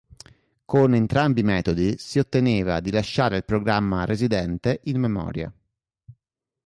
Con entrambi i metodi si otteneva di lasciare il programma residente in memoria.